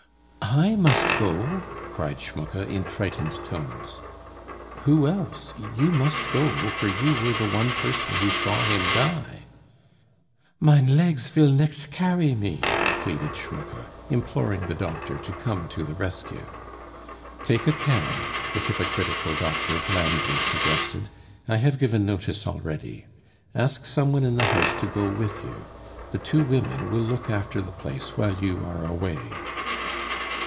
"I must go!" cried Schmucke in frightened tones. "Who else?... You must go, for you were the one person who saw him die." "Mein legs vill nicht carry me," pleaded Schmucke, imploring the doctor to come to the rescue. "Take a cab," the hypocritical doctor blandly suggested. "I have given notice already. Ask some one in the house to go with you. The two women will look after the place while you are away."